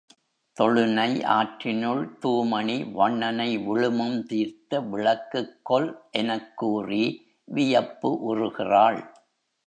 தொழுனை யாற்றினுள் தூமணி வண்ணனை விழுமம் தீர்த்த விளக்குக் கொல் எனக் கூறி வியப்பு உறுகிறாள்.